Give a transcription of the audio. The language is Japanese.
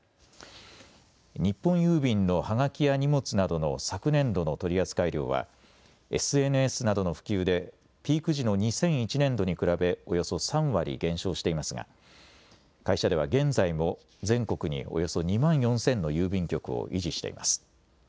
日本郵便のはがきや荷物などの昨年度の取り扱い量はＳＮＳなどの普及でピーク時の２００１年度に比べおよそ３割減少していますが会社では現在も全国におよそ２万４０００の郵便局を維持しています。